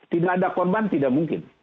tidak ada korban tidak mungkin